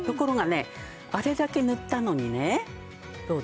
あれだけ塗ったのにねどうですか。